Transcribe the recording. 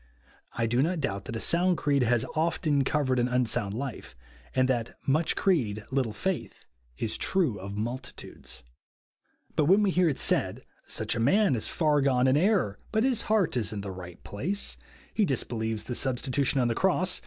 I do not doubt that a sound creed has often covered an un sound life, and tliat " much creed, little faith," is true of multitudes. But when we hear it said, •' Sucli a man is far gone in error, but his heart is in its right place ; ho disbelieves the substitution on the cross, ISO BELIEVE JUST NOW.